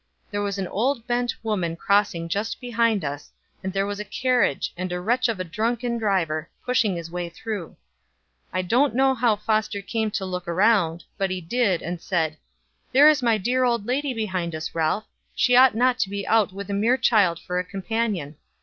There was an old bent woman crossing just behind us, and there was a carriage, and a wretch of a drunken driver pushing his way through. I don't know how Foster came to look around, but he did, and said, 'There is my dear old lady behind us, Ralph; she ought not to be out with a mere child for a companion.'